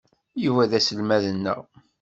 Yuba d aselmad-nneɣ.